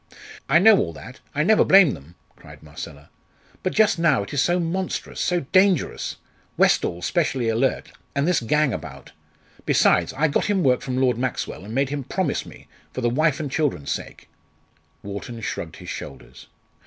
"I know all that I never blame them!" cried Marcella "but just now it is so monstrous so dangerous! Westall specially alert and this gang about! Besides, I got him work from Lord Maxwell, and made him promise me for the wife and children's sake." Wharton shrugged his shoulders.